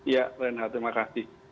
ya terima kasih